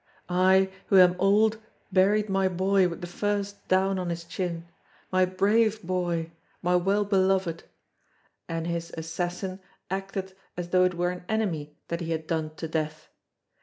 I, who am old, buried my boy with the first down on his chin, my brave boy, my well beloved. And his assassin acted as though it were an enemy that he had done to death.